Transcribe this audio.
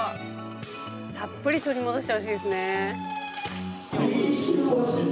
たっぷり取り戻してほしいですね。